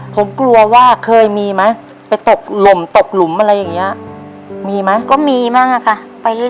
ผมกลัวว่าเคยมีมั้ยไปตกหลุมอะไรอย่างนี้มีมั้ย